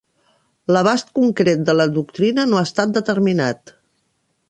L'abast concret de la doctrina no ha estat determinat.